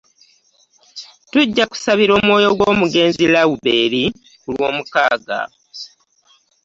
Tujja kusabira omwoyo gowmugenzi Laubeeni ku lwomukaaga.